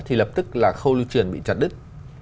thì lập tức là khâu lưu truyền bị chặt đứt